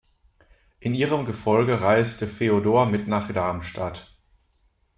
In ihrem Gefolge reiste Feodor mit nach Darmstadt.